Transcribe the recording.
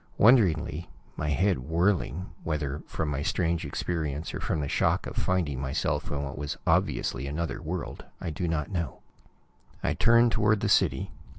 Wonderingly, my head whirling, whether from my strange experience or from the shock of finding myself in what was obviously another world, I do not know, I turned toward the city.